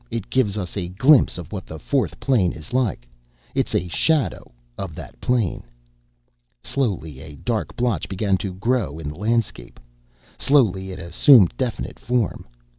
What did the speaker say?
It gives us a glimpse of what the fourth plane is like. It is a shadow of that plane." Slowly a dark blotch began to grow in the landscape. Slowly it assumed definite form.